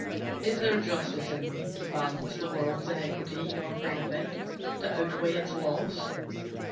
Is there justice in them To balance the world's inequity, Or benefit to outweigh its loss?